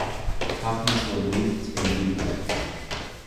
Copies were leaked and bootlegged.